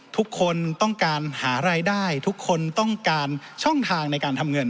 ทุกคนต้องการหารายได้ทุกคนต้องการช่องทางในการทำเงิน